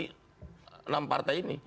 di enam partai ini